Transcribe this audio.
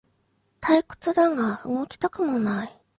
退屈だが動きたくもない